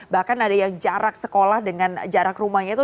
bahkan ada yang jarak sekolah dengan jarak rumahnya itu